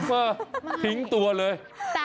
มาทิ้งตัวเลย